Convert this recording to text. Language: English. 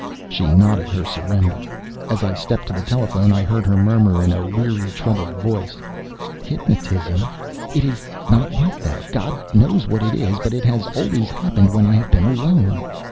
She nodded her surrender. As I stepped to the telephone, I heard her murmur, in a weary, troubled voice: "Hypnotism? It is not that. God knows what it is. But it has always happened when I have been alone.